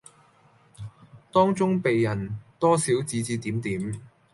當中被人多少指指點點